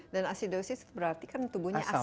dan acidosis berarti kan tubuhnya asam